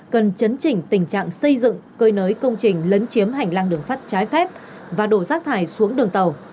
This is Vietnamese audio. cần chấn chỉnh tình trạng xây dựng cơi nới công trình lấn chiếm hành lang đường sắt trái phép và đổ rác thải xuống đường tàu